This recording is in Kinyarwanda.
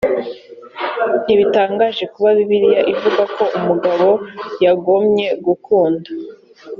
ntibitangaje kuba bibiliya ivuga ko umugabo yagombye gukunda